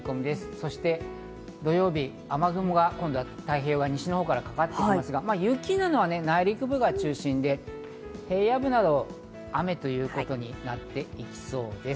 そして土曜日、雨雲が今度は太平洋側、西の方からかかってきますが、雪は内陸部が中心で、平野部など雨ということになっていきそうです。